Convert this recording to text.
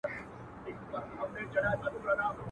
کي به ناڅي ښکلي پېغلي !.